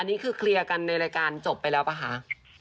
นี่คือเคลียร์กันในรายการจบไปแล้วป่ะคะ